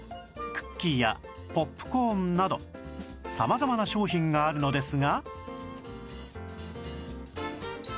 クッキーやポップコーンなど様々な商品があるのですが